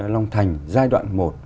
long thành giai đoạn một